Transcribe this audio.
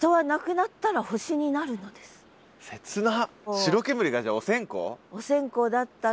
白煙がじゃあお線香だったり。